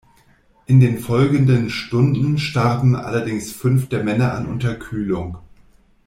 In den folgenden Stunden starben allerdings fünf der Männer an Unterkühlung.